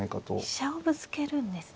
飛車をぶつけるんですね。